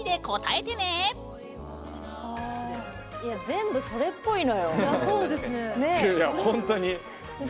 全部それっぽいのよ。